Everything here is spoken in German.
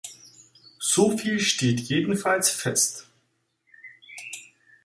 Soviel steht jedenfalls fest.